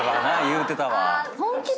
言うてたわ。